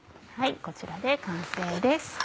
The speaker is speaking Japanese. こちらで完成です。